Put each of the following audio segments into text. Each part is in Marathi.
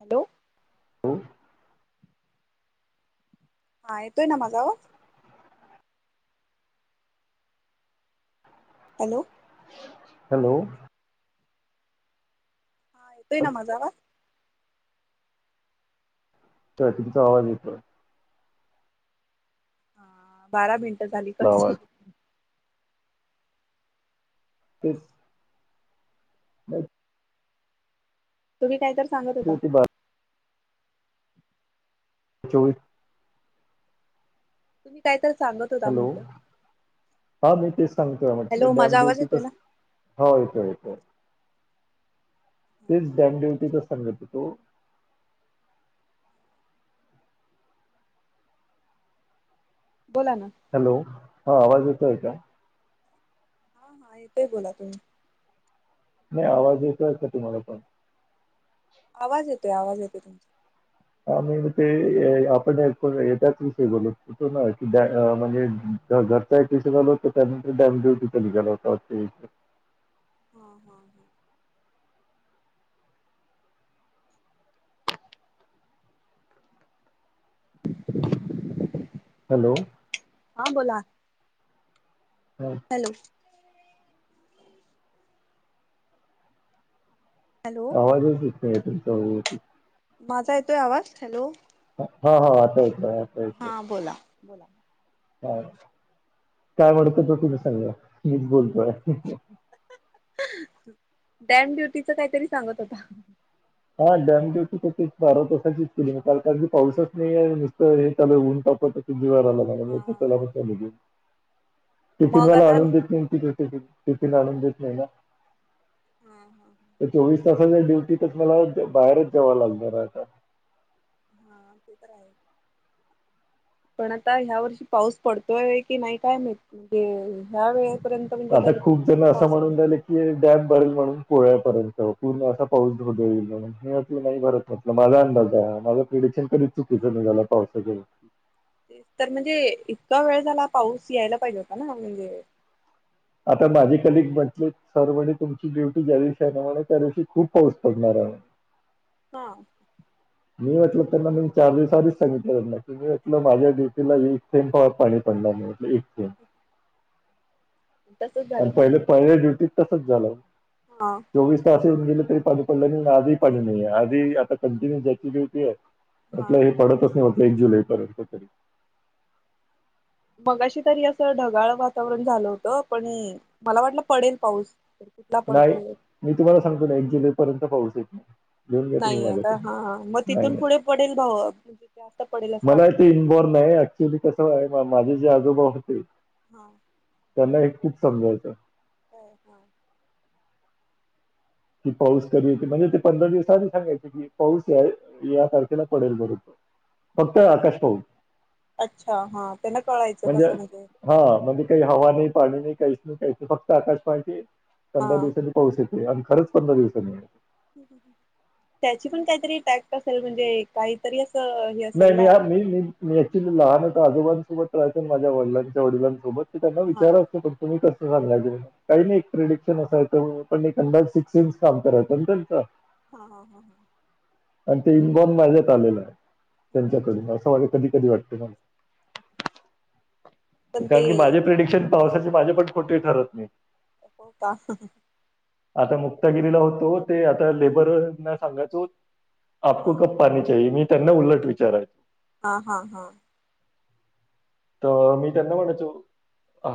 हॅलो.. हॅलो हा येतोय ना माझा आवाज.... हॅलो... हॅलो.. हा येतोय ना अच्छा माझा आवाज तर तुमचं आवाज येतोय... हा बारा मिनिटं झाली आपला कट आवाज झालं... ते... हम... तुम्ही कायतर सांगत होता... होती बारा च.. तुम्ही कायत सांगत होता हॅलो म्हटलं.. हा मी तेच सांगतोय हॅलो म्हटलं डॅम माझा आवाज ड्युटी तर येतोय ना हा येतो येतो... तेच डॅम्प ड्युटीचा संघट होतो.. बोला ना हॅलो हा आवाज येतोय का... हा हा येतोय बोला तुम्ही... नाही आवाज येतोय का तुम्हाला पण... आवाज येतोय आवाज येतोय तुमचा.. आ म ते आपण पण त्याच विषयी बोलत होतो ना की म्हणजे.. घरता आहे ट्यूशनो त्या डॅमड्यटी च गला होता.. [inaudible] हं हं हा..... हॅलो.... हा बोला हा, हॅलो... हॅलो आवाज च येत नाही तुमचं... माझा येतोय आवाज हॅलो... हा हा आता यच आहे आतांच आहे... हा बोला बोला... काय म्हणत तो तुम्ही सांगा मीच बोलतोय... डॅम ड्युटीच काहीतरी सांगत होता. हा डॅमेव तर बारा तासाचीच केलीणी पाऊसच नाही आहे नुसतं हे त्याला ऊन टाप... त्या हा टिफिन मग मला आता आणूनेदेत नै न... टीफिन आनुण देत नाही ना... हम्म हम् ह्... त ज ड्युटी तरच मला बाहेरच जावं लागणार आता... हा ते तर आहे... पण आता ह्या वर्षी पाऊस पडतोय की नाही काय ह्या वेळेस.... आता खूप जण असं म्हणून झालं की डॅम भरल म्हणून... कोळ्यापर्यंत पूर्ण असा पाऊस धईल मी त नाही भरत म्हटलं माझा अंदाज आहे माझ पिढ... कधी चुकीचं नाही झाला पावसाच्या... तर म्हणजे इतका वेळ झाला पाऊस यायला पाहिजे होता ना म्हणजे... आता माझी कलीग म्हटले सर म्हणे तुमची ड्युटी ज्या दिवशी आहे न म्ह त्या दिवशी खूप पाऊस पडणार आहे. हा.. मी म्हटलं त्यांना मी चार दिवसा आधीच सांगितलं त्यांना की मी म्हटलं माझ्या ड्युटीला एक थेंब कवा पाणी पडणार... एक थेंब... [unintelligible] तसच झालं आणि का पहिले पहिल्या ड्युटीत तसंच झालं हा चोवीस तास येऊन गेले पाणी पडलं नाही आणि आजही पाणी नाहीये आधी आता कंटिन्यू ज्याची ड्युटी आहे हा आपलं हे पडतंच नव्हतं एक जुलैपर्यंत तरी मगाशी तरी असं ढगाळ वातावरण झालं होतं पण मला वाटलं पडेल पाऊस कुठला नाही पडतोय मी तुम्हाला सांगतो ना एक जुलैपर्यंत पाऊस येईल नाहीये का हा हा मग नाही तिथून नाही पुढे पडेल भाऊ जास्त पडेल असं वाटतंय नाही ऍक्च्युली कसंय माझे जे आजोबा होते हा त्यांना हे खूप समजायचं हो हा कि पाऊस कधी येत म्हणजे ते पंधरा दिवस आधी सांगायचे कि पाऊस या या तारखेला पडेल म्हणून फक्त आकाश पाहून अच्छा हा त्यांना कळायचं म्हणजे कसं हा म्हणजे काही हवा नाही पाणी नाही काहीच नाही काही काहीच नाही फक्त आकाश पाहायचे पंधरा हा दिवसांनी पाऊस येतोय आणि खरंच पंधरा दिवसांनी त्याची पण काहीतरी टॅक्ट असेल म्हणजे काहीतरी असं हे असेल नाही ना मी मी मी मी ऍक्च्युली लहान होतो आजोबांसोबत राहायचो माझ्या वडिलांच्या वडिलांसोबत ते त्यांना हा विचारलं असतो पण तुम्ही कस असं नाही झालं ते काही नाही एक प्रिडिक्शन असायचं पण एक अंदाज सिक्स सेन्स काम करायचा ना त्यांचा हा हा हा ह आणि ते इन बॉर्न माझ्यात आलेलं आहे त्यांच्याकडून असं म्हणजे कधी कधी वाटतं माझ [inaudible] पण ते कारण की माझे प्रिडिक्शन पावसाचे माझे पण खोटे ठरत नाही हो का आता मुक्तागिरीला होतो ते आता लेबरना सांगायचो आपको कब पाणी चाहिए मी त्यांना उलट विचारायचो हा हा हा तर मी त्यांना म्हणायचो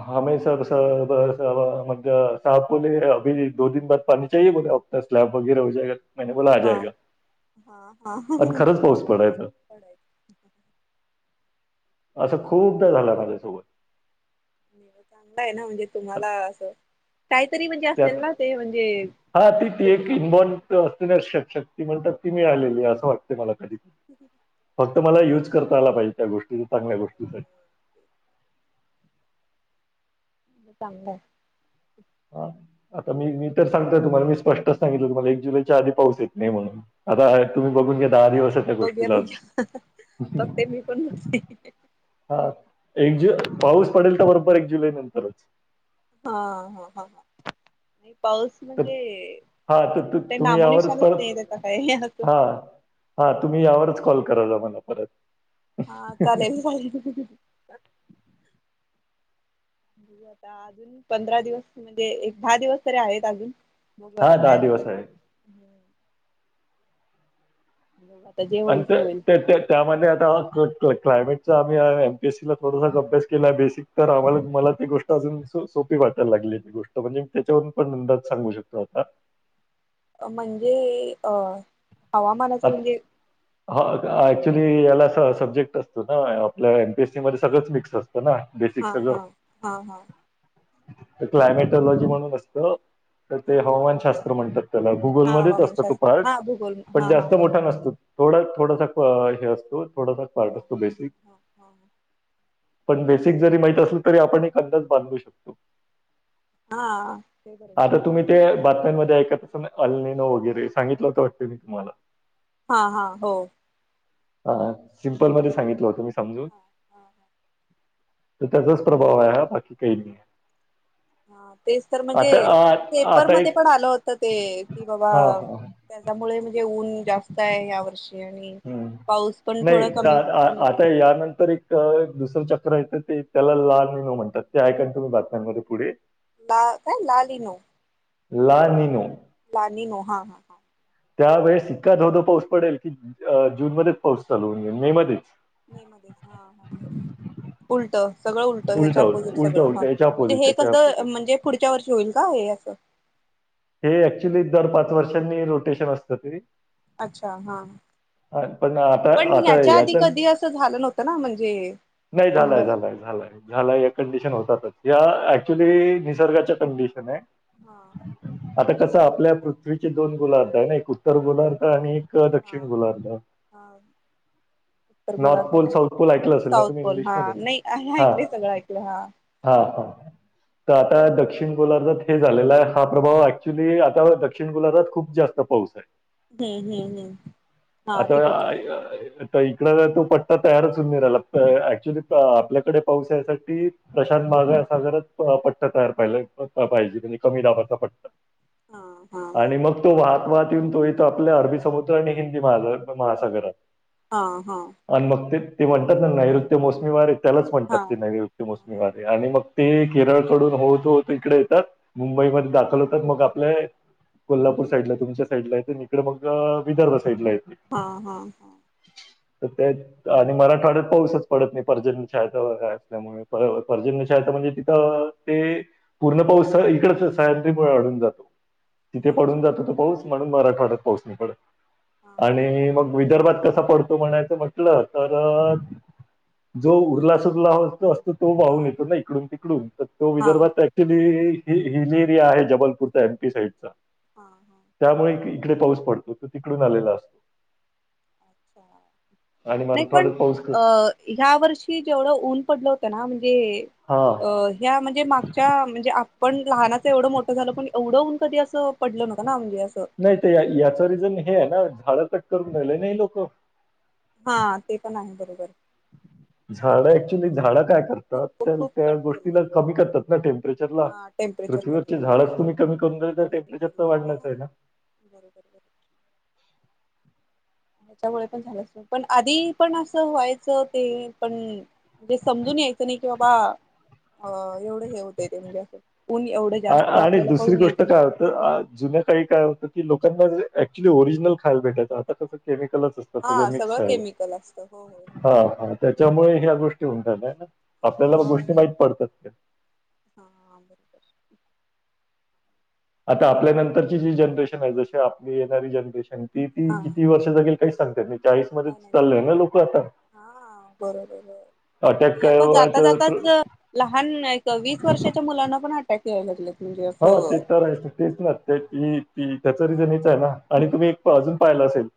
हा मैं सब सब सब म्हणजे साब बोलले अभी एक दो दिन बाद पाणी चाहिए बोलले तो आमचा स्लॅप वैगेरा हो जायेगा मैंने बोला आ‌ हा जायेगा हा हा आणि खरंच पाऊस पडायचा असं खूपदा झालं माझ्यासोबत चांगलं आहे ना म्हणजे तुम्हाला असं काहीतरी म्हणजे असेल त्यात ना ते म्हणजे हा ती ती जस एक इन समजत बॉर्न असते ना शक्ती म्हणतात ती मिळालेली आहे असं वाटते मला कधी हम् फक्त मला युज करता आला पाहिजे त्या गोष्टीचा चांगल्या गोष्टीसाठी चांगलं आहे हा आता मी मी तर सांगतोय तुम्हाला मी स्पष्टच सांगितलं तुम्हाला एक जुलैच्या आधी पाऊस येत नाही म्हणून आता तुम्ही बघून घ्या दहा दिवस आहेत त्या बघूया गोष्टीला बघूया अजून बघते मी पण बघते हा एक जुन पाऊस पडेल तर बरोबर एक जुलै नंतरच हा हा हा पाऊस तर म्हणजे हां, तर तु काय तुम्ही यावरच नामोनिशानच नाहीये त्याचा काय असं हा तुम्ही यावरच कॉल करायचा मला परत हा चालेल चालेल बघूया आता अजून पंधरा दिवस म्हणजे एक दहा दिवस तरी आहेत अजून बघू हां, आता काय होतंय दिवस आहे. बघू आता जे होईल आणि ते होईल त्यामध्ये आता कट कट क्लायमेटचा आम्ही एमपीएसी ला थोडासा अभ्यास केला आहे बेसिक तर आमला मलाी गोष्ट अज सोपी वाटयला लागलेली गोष्ट म्हणजे मी त्याच्यावरून पण अंदाज सांगू शकतो आता. म्हणजे अं हवामानाचं म्हणजे ह ऍक्च्युली याला अस सब्जेक्ट असतो ना आपल्या एमपी एस सी मध्ये सगळंच मिक्स असत. ना बेसिक हा सगळं हा हा हा तर क्लायमेटलॉजी म्हणून असत. तर ह ते ह हवामान शास्त्र म्हणतात त्याला हा गुगलमध्येच असतो तो हवामानशास्त्र पार्ट हा भूगोल पण हा हा जास्त बरोबर मोठा नसतो थोडा थोडासा हे असतो थोडा त हा पार्टसतो बेसिक. हा हा पण बेसिक जरी माहीत असेल तरी आपण एक अंदाच बांधू शकतो. हा. आता तुम्ही ते बातम्यांमध्ये ऐका तस अल नन वगैरे सांगितलं होत वाटतं मी तुम्हाला. हा हा हो. हा सिम्पल मध्ये सांगितलं होतं मी समजून. हा हा त तचाच प्रभाव आया बाकी काही नाही आहेै. हा तेच तर म्हणजे पेपर आता मध्ये एक पण आलं होतं ते कि बाबा हां, हां. त्याच्यामुळे म्हणजे ऊन जास्त आहे ह्या वर्षी. आणि हम्. पाऊस पण नाही थोडा कमी कमी आता यानंतर एक दुसरं चक्र येतं ते त्याला लाल आणि न म्हणतात ते ऐका तुम्ही बातम्यांमध्ये पुढे. ला काय लालनो.. ला निनु. लेनिनु हा हा हा. त्यावेेळेस ईतका धोधो पाऊस पडेल की जून मध्येच पाऊस चालू मे मध्येच म मध्येच हा हा. उलट सगळं उलट ह्याच्या उलटा उलटा उलट अपोजिट उलटा सगळं हा उलट याच्या म्हणजे अपोझिट हे याच्या कसं अपोझिट. म्हणजे पुढच्या वर्षी होईल का हे. चाल हे ऍक्च्युली दर पाच वर्षांनी रोटेशन असतं ते. अच्छा हा. अ, पण आता पण आता ह्याच्या आधी याचा कधी असं झालं नव्हतं ना, म्हणजे नाही झालाय एवढं झालाय झालाय झालाय या कंडिशन होत तस. या ऍक्च्युली निसर्गाच्या कंडिशन आहे. हा. आता कसं आपल्या पृथ्वीचे दोन गोलार्थ आहे, ना एक उत्तर गोल्थ आणि एक हा दक्षिण गोलार्थ. हा उत्तर नॉर्थ गोलार्ध पोल हा साऊथ पोल ऐकलं असेल ना साऊथ तुम्ही पोल हा इंग्लिशमध्ये नाही हा. हा हा. ह तर आता दक्षिण गोलारधात हे झालेला आहे हा प्रभाव ऍक्च्युली आता दक्षिण गोलारधात खूप जास्त पाऊस आहे. हम्म हम्म हम्म. हा तिकडच्या साईडला आता इकड तो पट्टा तयारच होऊ नि राहिला ऍक्च्युली आपल्याकडे पाऊस यासाठी प्रशांत मागागर पट्टा तयार पाहि पाहिजे म्हणजे कमी दाबाचा पट्टा. हा हा आणि मग तो वाहत वाहत येऊन तो इथ आपल्या अरबी समुद्र आणि हिंदी म महासागरात. हा हा. आणि मग ते ते म्हणतात ना नैऋत्य मोसमी वारे त्यालाच म्हणतात हा ते नैऋत्य मोसमी वारे, हा आणि मग ते केरळकडून होत होत इकडे येतात मुंबईमध्ये दाखल होतात मग आपल्या कोल्हापूर साईड ला तुमच्या साईडला आहे इकडडे मग विदर्भ साईड ला येत. हा हा हा. तर ते आणि मराठवाड्यात पाऊसच पडत नाही पर्जन्य ायता वगैरे असल्यामुळे पर्जन्य चाह म्हणजे तिथं अ-ते पूर्ण पाऊस इकडच सह्याद्री मु- अढून जातो. तिथे पडून अच्छा जातो. तो पाऊस म्हणून मराठवाड्यात पाऊस नाही पडत. हा हा आणि मग विदर्भात कसा पडतो म्हणायचं म्हटलं तर जो उरला सुरला होत तो तो हा वाहून येतो, ना इकडून तिकडून तर तो हा विदर्भात ऍक्च्युली हि जी एरिया आहे. जबलपूरचा एमपी साईडचा हा हा त्यामुळे इकडे पाऊस पडतो. तो तिकडून आलेला असतो. अच्छा. आणि नाही पण, मराठवाड्यात पाऊस क- अ-ह्या वर्षी जेवढं ऊन पडलं होतं ना म्हणजे हा अ ह्या म्हणजे मागच्या म्हणजे पण लहानाचं एवढं मोठं झाल पण एवढं ऊन कधी असं पडलं न्हवतं ना. म्हणजे असं नाहीत याच रिझन हे आहे, ना झाडं कट करून राहील ना ही लोक. हा ते पण आहे बरोबर. झाड ऍक्च्युली झाड काय करतात खूप तर खूप त्या कट केले गोष्टी होते. कमी करतात टेंपरेचर हा टेम्परेचर कमी पृथ्वीवर कर झाडच तुमी- ही कोण तर कमी टेम्पेचरच केलं हा वाढणचं आहे ना. बरोबर बरोबरं. हच्यामुळे पण झालं असेल. पण आधी पण असं व्हायचं ते पण जे समजून यायच. नाही कि बाबा, अ एवढं हे होतय ते म्हणजे असं. ऊन एवढं जास्त आणि आपल्याला दुसरी कळून गोष्ट यायचं नाही. काय होतं, जुन्या काळी काय होतं की लोक ना ऍक्च्युली ओरिजनल खायला भेटायचं आता कस केमिकॅल चं असत सगळ हा मिक्स सगळं आहे. केमिकल असतं हो हा त्याच्यामुळे ह्या गोष्टी हॊतात. आपल्याला मग गोष्टी माहीत पडतात. हा बरोबर. आता आपल्यानंतरची जी जनरेशन आहे. जशी आपली येणारी जनरेशन ती ती हा हा बरोबर हा किती वर्ष जगेल. काही सांगता येत नाहीत. चाळीस मध्ये नाही नाही नाही चाललंय ना लोक आता. हा बरोबर बरोबर. अटॅक नाही काय आता जाता व्हायचं प्र- जाताच लहान एक वीस वर्षाच्या मुलांना पण अटॅक यायला लागलेतं. हो ते तर तेच ना ते त त्याच रिझन हेच आहे ना आणि तुम्ही एक अजून पाहिला असेल.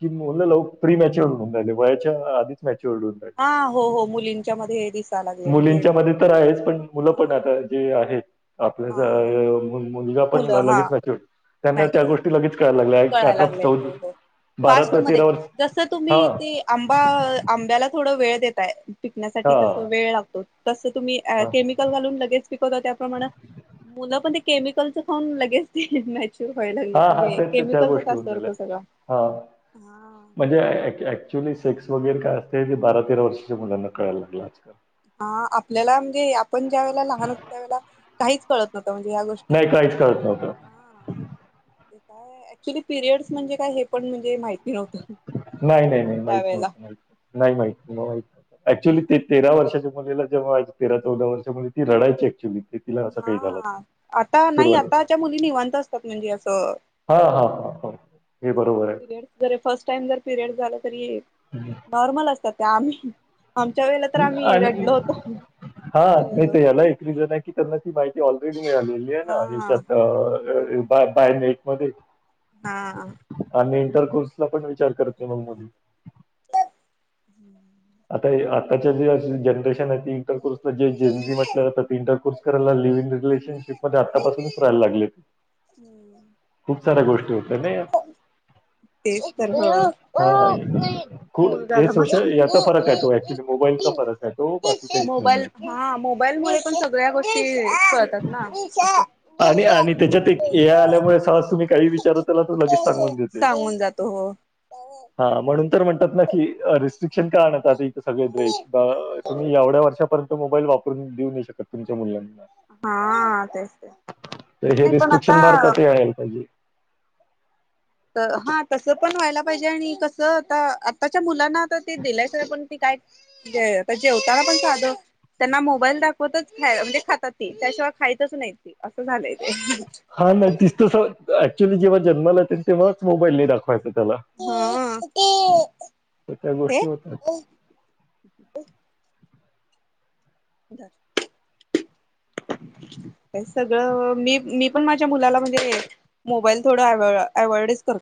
कि मुलं लव-प्रीमॅच्युअर होऊन राहिले वयाच्या आधीच मॅच्युअर. हा हो हो मुलींच्या मध्ये हे दिसत. मुलींच्या मध्ये तर आहेच. पण मुलं पण आता जे आहेत. हा आपल्या हा मुलगा पण मुलं हा लगेच मॅच्युरिटी त्यांना मॅच त्या गोष्टी लगेच कळायला लागल्या. कळायला आता लागलेत चौ- हो हो फास्ट मध्ये, जसं तुम्ही ते आंबा आंब्याला थोड वेळ देताय. पिकण्यासाठी हा तस वेळ लागतो. तस तुम्ही हा केमिकल घालून लगेच पिकवता त्याप्रमाण मुलं पण केमिकलचं खाऊन लगेच ते मॅच्युअर व्हायला हा हा ते लागलेतं. ते- गोष्टी होवून झाल्या हा हा म्हणजे आ आ ऍक्चुली सेक्स वगैर काय असत, ते बारा-तेरा वर्षाच्या मुलांना कळायला लागलं आजकाल. हा आपल्याला म्हणजे आपण ज्या वेळेला लहान असतो त्यावेळेला काहीच कळत नव्हतं. म्हणजे या गोष्टी नाही काहीच कळत हा नव्हतं. ते काय ऍक्च्युली पिरियडस म्हणजे काय हे पणे माहित नाही नाही नाही माहित नव्हत. माह नाही माहित माहित नव्हत. ऍक्च्युली तेरा वर्षाच्या मुलाली जेव्हा आज तेरा-चौदा वर्ष मुली ती रडायची ऍक्च्युली. तिला असं काही झालं होतं हा आता नाही सुरुवातीला आताच्या मुली निवांत असतात म्हणजे असं. हां, हां, हां, हो. हे बरोबर आहे. रे फर्स्ट टाइम जर पिरियड झालं तरी हम्म. नॉर्मल असतात त्या आमी- आणि हा कुठे नाही तर याला एक रिझन आहे की त्यांना माहिती ऑलरेडी मिळालेली आहे ना हा याच्यात बा बाय नेट मध्ये. हां. इंटकोर्सला पण विचार करत नाही मुली. हम्म आता आताच्या जे जनरेशन आहे इंटर कोर्स जे ज म्हटलं जातात इंटरकर्स कराय लिव्ह इन रिलेशनशिप मध्ये आतापासूनच राहायला लागले. हम्म. नाही तेच तर म हां, खूप हे मुलग्याला माजा सोशल याचा फरक आहे तो ॲक्चुअली मोबाईलचा फरक आहे तो, बाकी काहीच नाही आहे. मोबाईल हा मोबाईल म पण सगळ्या गोष्टी तात ना. आणि आणि त्याच्यात एक ए आल्या प स काही विचारत त्याला तर लगेच सांगून देते सांगून जातो हो हा म्हणून म्हणतात ना की रेस्ट्रिक्शन का आणत आता इथ सगळे द्रश तुम्ही एवढ्या वर्षापय त मोबाईल वापरून देऊ नाही शकत तुमच्या मुलांनी हा तेच ते तर हे नाही पण रिस्ट्रिक्शन आता भारतातही आणल पाहिजे. तर हा तस पण व्हायला पाहिजे आणि कसं आता आत्ताच्या मुलांना तर ते दिलायच आहे पण काय आता जेवताना पण साधं. त्यांना मोबाईल दाखवतच म्हणजे खातात ती त्याशिवाय खायच नाही ती असं झालंय. ते हा नाही तिस तर ऍक्च्युअली जेव्हा जन्माला तेव्हाच मोबाईल नाही दाखवायचा त्याला ह तर त्या ते गोष्टी होतात. ह. [unintelligible] सगळं मी मी पण माझ्या मुलाला म्हणजे मोबाईल थोडव अव्हइडच करतो.